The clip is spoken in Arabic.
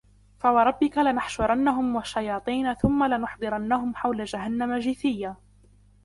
فَوَرَبِّكَ لَنَحْشُرَنَّهُمْ وَالشَّيَاطِينَ ثُمَّ لَنُحْضِرَنَّهُمْ حَوْلَ جَهَنَّمَ جِثِيًّا